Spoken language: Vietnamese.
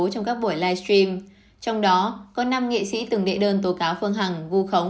trong các buổi live stream trong đó có năm nghệ sĩ từng đệ đơn tố cáo phương hằng vô khống